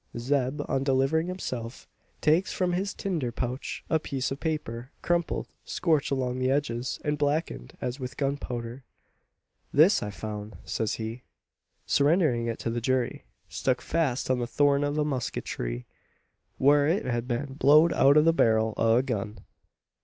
Zeb, on delivering himself, takes from his tinder pouch a piece of paper crumpled scorched along the edges and blackened as with gunpowder. "This I foun'," says he, surrendering it to the jury, "stuck fast on the thorn o' a muskeet tree, whar it hed been blowed out o' the barrel o' a gun.